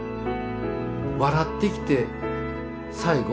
笑って生きて最期